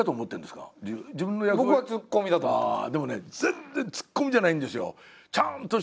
でもね全然ツッコミじゃないんですよ。